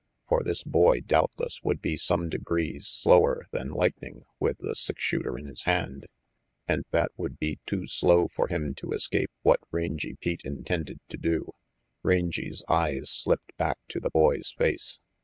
For this boy doubtless would be some degrees slower than lightning with the six shooter in his hand, and that would be too slow for him to escape what Rangy Pete intended to do. RANGY PETE 27 Rangy's eyes slipped back to the boy's face.